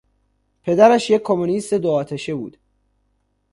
پدرش یک کمونیست دو آتشه بود.